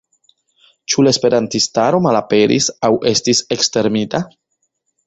Ĉu la esperantistaro malaperis aŭ estis ekstermita?